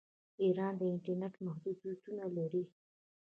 ایران د انټرنیټ محدودیتونه لري.